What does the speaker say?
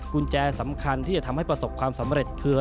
กุญแจสำคัญที่จะทำให้ประสบความสำเร็จคือ